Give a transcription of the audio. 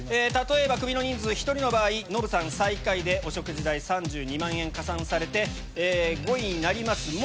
例えばクビの人数１人の場合ノブさん最下位でお食事代３２万円加算されて５位になります。